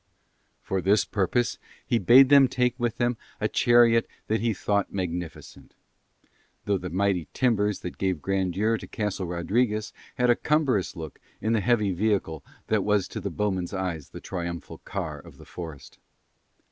For this purpose he bade them take with them a chariot that he thought magnificent, though the mighty timbers that gave grandeur to Castle Rodriguez had a cumbrous look in the heavy vehicle that was to the bowmen's eyes the triumphal car of the forest.